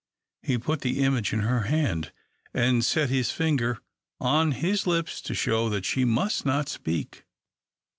He put the image in her hand, and set his finger on his lips to show that she must not speak.